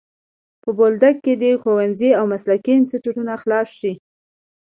په بولدک کي دي ښوونځی او مسلکي انسټیټونه خلاص سي.